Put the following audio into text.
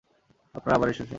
আপনারা আবার এসেছেন!